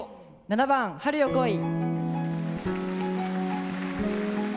７番「春よ、来い」。